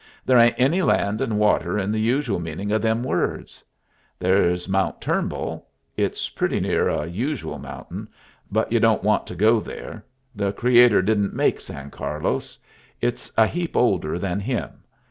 There ain't any land and water in the usual meaning of them words. There's Mount Turnbull. It's pretty near a usual mountain, but y'u don't want to go there. The Creator didn't make San Carlos. It's a heap older than Him.